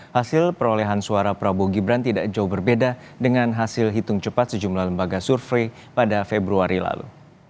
hasil perolehan suara prabowo gibran tidak jauh berbeda dengan hasil hitung cepat sejumlah lembaga survei pada februari lalu